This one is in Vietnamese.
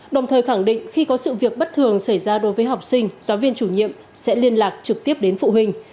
đồng thời khẳng định khi có sự việc bất thường xảy ra đối với học sinh giáo viên chủ nhiệm sẽ liên lạc trực tiếp đến phụ huynh